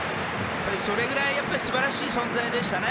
それぐらい素晴らしい存在でしたね。